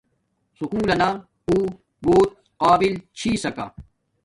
سُکول لنا اُو بوت قابل چھس سکا